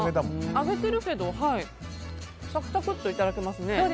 揚げてるけどサクサクッといただけますね。